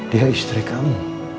dia istri kamu